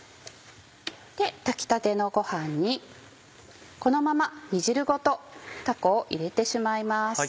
炊きたてのご飯にこのまま煮汁ごとたこを入れてしまいます。